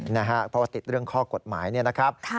เพราะว่าติดเรื่องข้อกฎหมายเนี่ยนะครับ